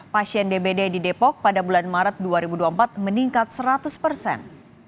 pasien dbd di depok pada bulan maret dua ribu dua puluh empat meningkat seratus persen